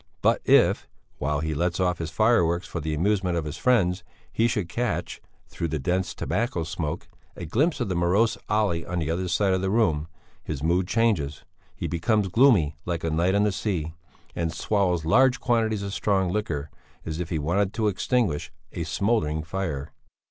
But if, while he lets off his fireworks for the amusement of his friends, he should catch, through the dense tobacco smoke, a glimpse of the morose Olle on the other side of the room, his mood changes, he becomes gloomy like a night on the sea, and swallows large quantities of strong liquor, as if he wanted to extinguish a smouldering fire.